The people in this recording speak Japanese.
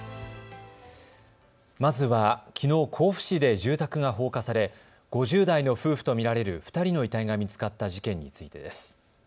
まずは、きのう甲府市で住宅が放火され５０代の夫婦と見られる２人の遺体が見つかった事件についてです。